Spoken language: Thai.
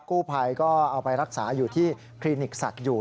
กู้ภัยก็เอาไปรักษาอยู่ที่คลินิกสัตว์อยู่